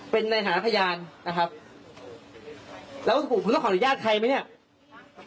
เป็นในฐานะพยานนะครับแล้วผมเพิ่งจะขออนุญาตใครไหมเนี่ย